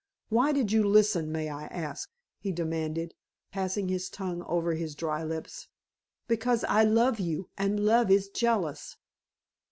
"Why did you listen, may I ask?" he demanded, passing his tongue over his dry lips. "Because I love you, and love is jealous."